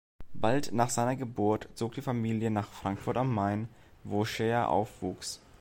Bald nach seiner Geburt zog die Familie nach Frankfurt am Main, wo Scheer aufwuchs.